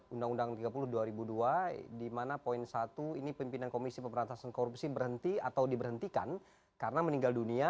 undang undang tiga puluh dua ribu dua di mana poin satu ini pimpinan komisi pemberantasan korupsi berhenti atau diberhentikan karena meninggal dunia